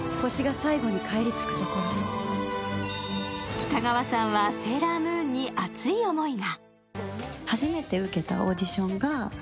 北川さんはセーラームーンに熱い思いが。